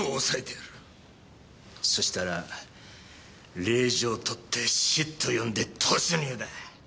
そしたら令状取ってＳＩＴ呼んで突入だ。